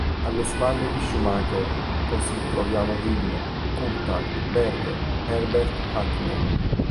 Alle spalle di Schumacher, così, troviamo Hill, Coulthard, Berger, Herbert e Hakkinen.